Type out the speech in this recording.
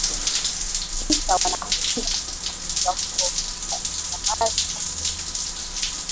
isa wanahofia kuwa ugonjwa huo huenda ukasambaa zaidi katika